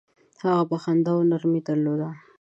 هغه به خندا او نرمي درلوده.